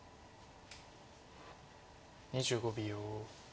２５秒。